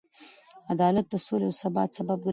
عدالت د سولې او ثبات سبب ګرځي.